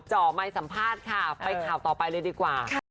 จ่อไมค์สัมภาษณ์ค่ะไปข่าวต่อไปเลยดีกว่า